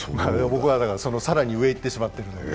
僕は更にその上をいってしまっている。